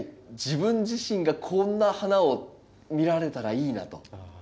自分自身がこんな花を見られたらいいなと。